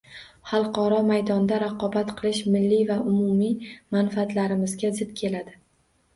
Xalqaro maydonda raqobat qilish milliy va umumiy manfaatlarimizga zid keladi.